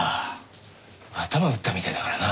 頭打ったみたいだからな。